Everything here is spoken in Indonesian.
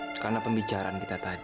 saya sudah memanlahnya meleguhkanizin